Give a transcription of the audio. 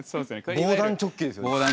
防弾チョッキですね。